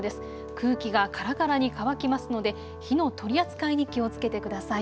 空気がからからに乾きますので火の取り扱いに気をつけてください。